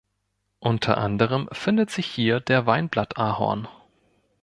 Unter anderem findet sich hier der Weinblatt-Ahorn.